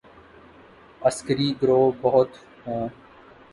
عسکری گروہ بہت ہوں۔